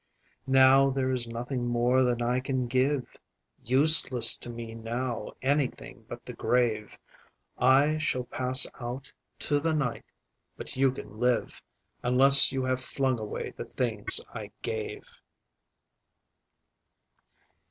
Now there is nothing more that I can give—Useless to me now anything but the grave.I shall pass out to the night, but you can live, Unless you have flung away the things I gave.